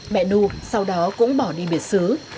mẹ nu sau đó cũng bỏ đi biệt xứ